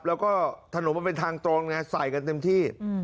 แล้วก็ถนนมันเป็นทางตรงไงใส่กันเต็มที่